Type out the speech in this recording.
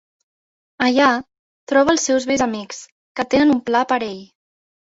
Allà, troba els seus vells amics, que tenen un pla per ell.